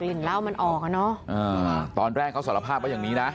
เหล้ามันออกอ่ะเนอะอ่าตอนแรกเขาสารภาพว่าอย่างนี้นะ